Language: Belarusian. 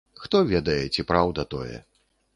Хто ведае, ці праўда тое.